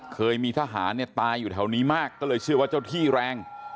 เคยมีทหารเนี่ยตายอยู่แถวนี้มากก็เลยเชื่อว่าเจ้าที่แรง